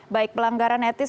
baik pelanggaran etik